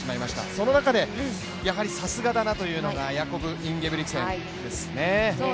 その中でやはりさすがだなというのがヤコブ・インゲブリクセンですね。